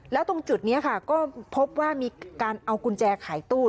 แล้วตรงจุดนี้ค่ะก็พบว่ามีการเอากุญแจขายตู้